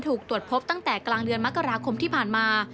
ถูกตรวจพบตั้งแต่กลางเดือนมกราคมที่ผ่านมา